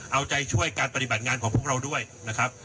เอาใจช่วยการปฏิบัติงานของพวกเราด้วยนะครับ